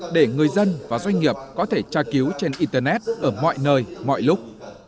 để người dân và doanh nghiệp có thể tra cứu trên internet ở mọi nơi mọi lúc